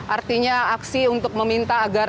artinya aksi untuk meminta agar